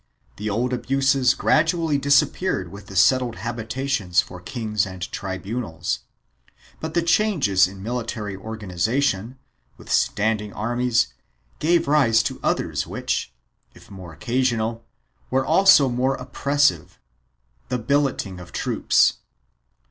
The old abuses gradually disappeared with the settled habitations for kings and tribunals, but the change in military organization, with standing armies, gave rise to others which, if more occasional, were also more oppressive — the billeting of troops.